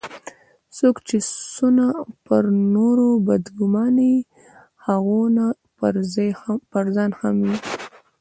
څوک چي څونه پر نورو بد ګومانه يي؛ هغونه پرځان هم يي.